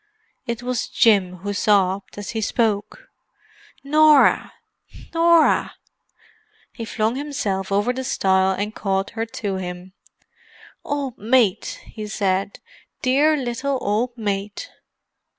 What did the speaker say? It was Jim who sobbed as he spoke. "Norah! Norah!" He flung himself over the stile and caught her to him. "Old mate!" he said. "Dear little old mate!"